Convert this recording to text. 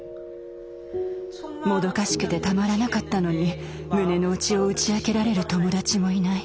もどかしくてたまらなかったのに胸の内を打ち明けられる友達もいない。